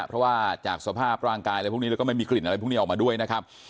เพราะว่าจากสภาพร่างกายอะไรพวกนี้แล้วก็ไม่มีกลิ่นอะไรพวกนี้ออกมาด้วยนะครับ